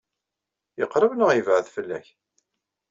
Yeqṛeb neɣ yebɛed fell-ak?